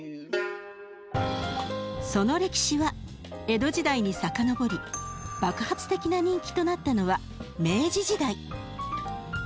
その歴史は江戸時代に遡り爆発的な人気となったのは明治時代。